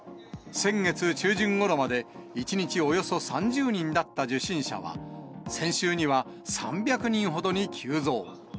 先月中旬ごろまで、１日およそ３０人だった受診者は、先週には３００人ほどに急増。